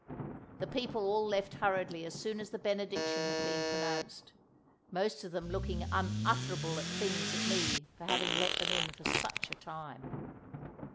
The people all left hurriedly as soon as the Benediction had been pronounced; most of them looking unutterable things at me for having let them in for such a time!